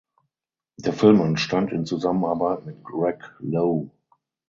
Der Film entstand in Zusammenarbeit mit Greg Lowe.